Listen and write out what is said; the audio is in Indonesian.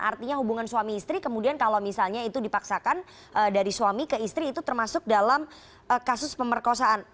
artinya hubungan suami istri kemudian kalau misalnya itu dipaksakan dari suami ke istri itu termasuk dalam kasus pemerkosaan